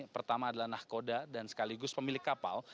pertama adalah nahkoda dan sekaligus pemilik kapal